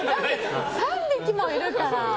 ３匹もいるから。